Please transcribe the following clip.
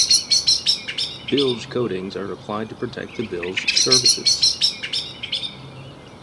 Bilge coatings are applied to protect the bilge surfaces.